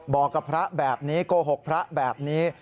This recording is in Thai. บอกกับพระแบบนี้โกหกพระแบบนี้